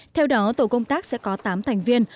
theo đó tổ công tác sẽ có tám thành viên